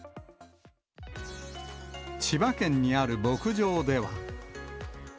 千葉県にある牧場では。